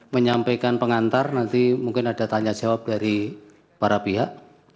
menyampaikan pengantar nanti mungkin ada tanya jawab dari para pihak